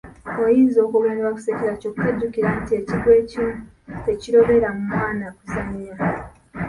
Oyinza okwogera ne bakusekerera kyokka jjukira nti ekigwo ekimu tekirobera mwana kuzannya.